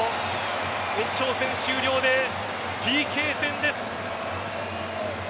延長戦終了でＰＫ戦です。